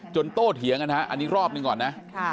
โต้เถียงกันฮะอันนี้รอบหนึ่งก่อนนะ